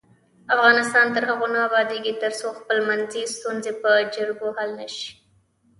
افغانستان تر هغو نه ابادیږي، ترڅو خپلمنځي ستونزې په جرګو حل نشي.